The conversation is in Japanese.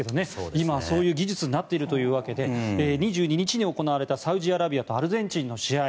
今は、そういう技術になっているというわけで２２日に行われたサウジアラビアとアルゼンチンの試合。